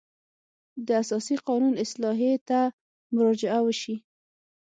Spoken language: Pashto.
د اساسي قانون اصلاحیې ته مراجعه وشي.